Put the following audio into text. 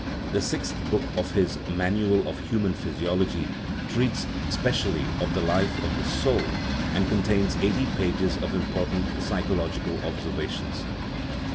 The sixth book of his Manual of Human Physiology treats specially of the life of the soul, and contains eighty pages of important psychological observations.